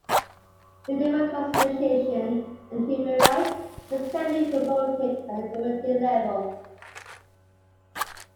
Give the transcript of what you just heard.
Through democratisation and human rights, this can be promoted at the community level.